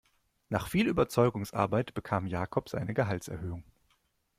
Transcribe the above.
Nach viel Überzeugungsarbeit bekam Jakob seine Gehaltserhöhung.